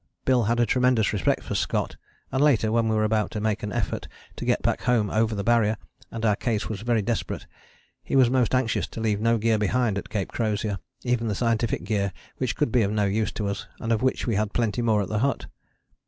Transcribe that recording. Bill had a tremendous respect for Scott, and later when we were about to make an effort to get back home over the Barrier, and our case was very desperate, he was most anxious to leave no gear behind at Cape Crozier, even the scientific gear which could be of no use to us and of which we had plenty more at the hut.